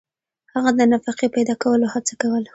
هغه د نفقې پیدا کولو هڅه کوله.